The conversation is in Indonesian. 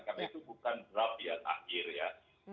karena itu bukan draft yang akhir ya